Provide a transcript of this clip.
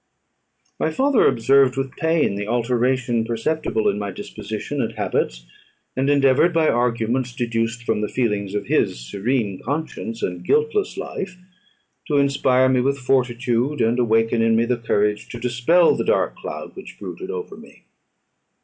My father observed with pain the alteration perceptible in my disposition and habits, and endeavoured by arguments deduced from the feelings of his serene conscience and guiltless life, to inspire me with fortitude, and awaken in me the courage to dispel the dark cloud which brooded over me.